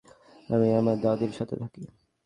আমি আমার দাদীর সাথে থাকি।